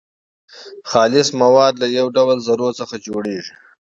خالص مواد له يو ډول ذرو څخه جوړ سوي دي .